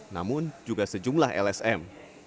namun juga sejumlah lsm